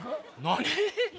何？